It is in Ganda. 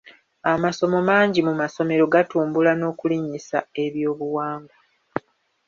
Amasomo mangi mu masomero gatumbula n'okulinnyisa ebyobuwangwa.